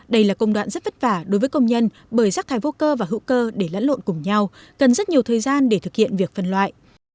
đây là công đoạn rất vất vả đối với công nhân bởi rác thải vô cơ và hữu cơ để lẫn lộn cùng nhau cần rất nhiều thời gian để thực hiện việc phân loại